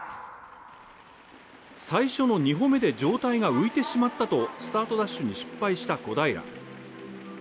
最初の２歩目で上体が浮いてしまったとスタートダッシュに失敗した小平。